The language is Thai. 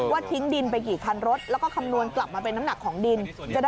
ทิ้งดินไปกี่คันรถแล้วก็คำนวณกลับมาเป็นน้ำหนักของดิน